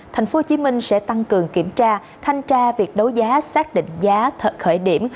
tp hcm sẽ tăng cường kiểm tra thanh tra việc đấu giá xác định giá khởi điểm